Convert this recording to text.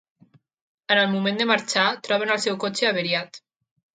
En el moment de marxar, troben el seu cotxe avariat.